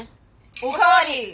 おかわり！